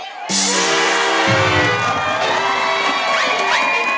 ครับ